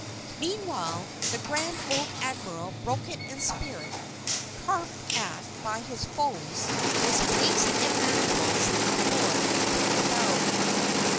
Meanwhile, the grand old Admiral broken in spirit, carped at by his foes, was placed in manacles aboard a caravel.